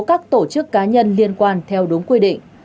các tổ chức cá nhân liên quan theo đúng quy định